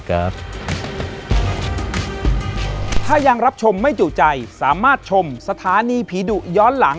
ขอบคุณครับพี่ชิวค่ะ